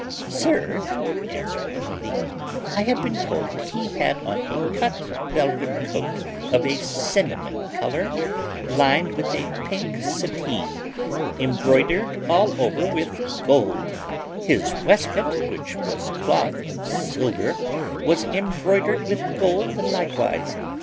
Sir, answered the lady, I have been told he had on a cut velvet coat of a cinnamon colour, lined with a pink satten, embroidered all over with gold; his waistcoat, which was cloth of silver, was embroidered with gold likewise.